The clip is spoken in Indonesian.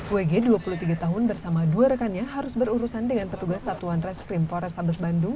wg dua puluh tiga tahun bersama dua rekannya harus berurusan dengan petugas satuan reskrim polrestabes bandung